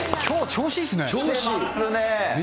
調子いいですね。